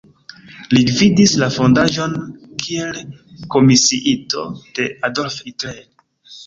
Li gvidis la fondaĵon kiel komisiito de Adolf Hitler.